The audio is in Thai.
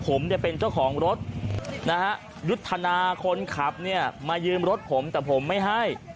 ผมเนี่ยเป็นเจ้าของรถนะฮะยุทธนาคนขับเนี่ยมายืมรถผมแต่ผมไม่ให้